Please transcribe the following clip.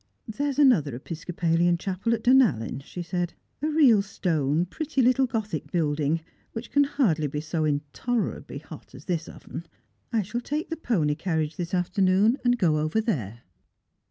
" There's another Episcopalian chapel at Dunallen," she said ; "areal stone pretty little gothic building, which can hardly be so intolerably hot as this oven. I shall take the pony carriage this afternoon and go over there."